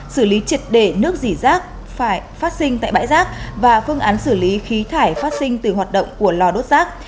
xử lý triệt đề nước dỉ rác phải phát sinh tại bãi rác và phương án xử lý khí thải phát sinh từ hoạt động của lò đốt rác